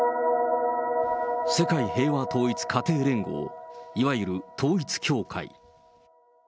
世界平和統一家庭連合、いわゆる統一教会。